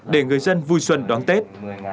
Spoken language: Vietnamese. để người dân vui xuân đón tết